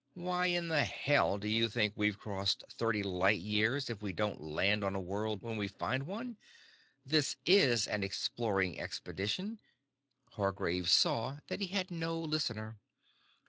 "Why in the hell do you think we've crossed thirty light years if we don't land on a world when we find one? This is an exploring expedition " Hargraves saw that he had no listener.